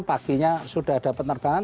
paginya sudah ada penerbangan